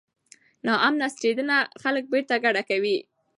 ناامنه ستنېدنه خلک بیرته کډه کوي.